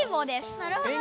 なるほどね。